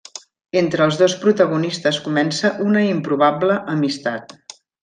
Entre els dos protagonistes comença una improbable amistat.